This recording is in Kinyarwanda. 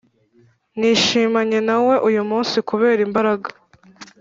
nishimanye nawe uyu munsi kubera imbaraga